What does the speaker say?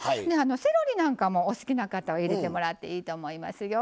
セロリなんかもお好きな方は入れてもらっていいと思いますよ。